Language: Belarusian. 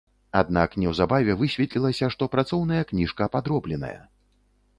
Аднак неўзабаве высветлілася, што працоўная кніжка падробленая.